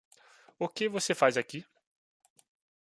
O que você faz aqui?